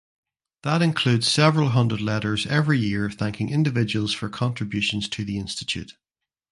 That includes several hundred letters every year thanking individuals for contributions to the Institute.